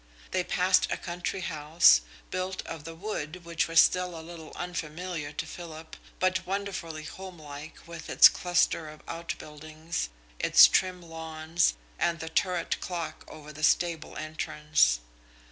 They passed a country house, built of the wood which was still a little unfamiliar to Philip, but wonderfully homelike with its cluster of outbuildings, its trim lawns, and the turret clock over the stable entrance.